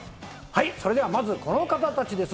それではまず、この方たちです。